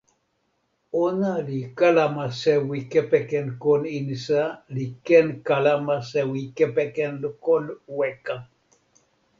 ona li kalama sewi kepeken kon insa li ken kalama sewi kepeken kon weka.